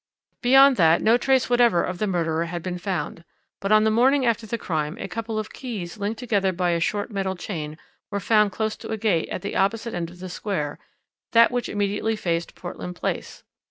"Beyond that, no trace whatever of the murderer had been found, but on the morning after the crime a couple of keys linked together by a short metal chain were found close to a gate at the opposite end of the Square, that which immediately faced Portland Place.